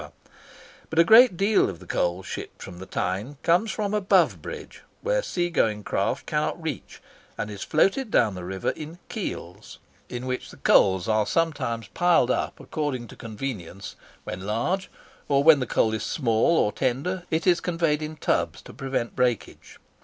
[Picture: Coal Staith on the Tyne] But a great deal of the coal shipped from the Tyne comes from above bridge, where sea going craft cannot reach, and is floated down the river in "keels," in which the coals are sometimes piled up according to convenience when large, or, when the coal is small or tender, it is conveyed in tubs to prevent breakage.